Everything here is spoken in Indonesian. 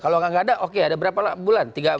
kalau nggak ada oke ada berapa bulan